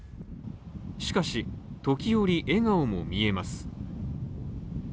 しかし、時折笑顔も見えます。